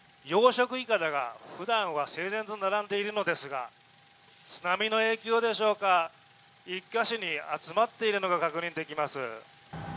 養殖いかだが、ふだんは整然と並んでいるのですが、津波の影響でしょうか、１カ所に集まっているのが確認できます。